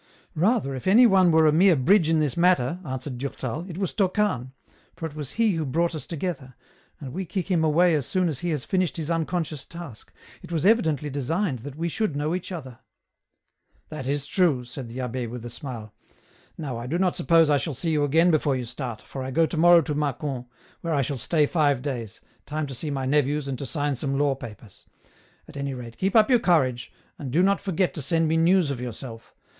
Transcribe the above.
" Rather, if any one were a mere bridge in this matter," answered Durtal, " it was Tocane, for it was he who brought us together, and we kick him away as soon as he has finished his unconscious task ; it was evidently designed that we should know each other." " That is true," said the abb^, with a smile ;" now I do not suppose I shall see you again before you start, for I go to morrow to Macon, where I shall stay five days, time to see my nephews and to sign some law papers : at any rate keep up your courage, and do not forget to send me news of yourself.